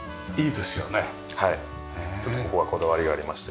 特にここはこだわりがありまして。